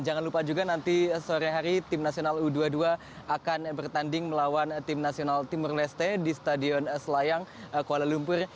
jangan lupa juga nanti sore hari tim nasional u dua puluh dua akan bertanding melawan tim nasional timur leste di stadion selayang kuala lumpur